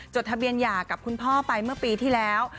ทะเบียนหย่ากับคุณพ่อไปเมื่อปีที่แล้ว